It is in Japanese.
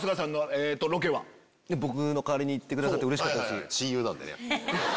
僕の代わりに行ってくださってうれしかったです。